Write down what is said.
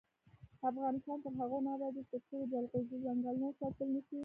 افغانستان تر هغو نه ابادیږي، ترڅو د جلغوزو ځنګلونه وساتل نشي.